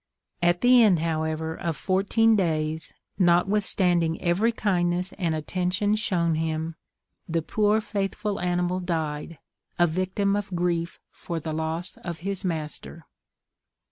At the end, however, of fourteen days, notwithstanding every kindness and attention shown him, the poor faithful animal died, a victim of grief for the loss of his master.